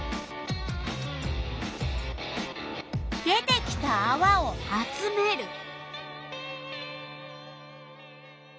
出てきたあわを集める。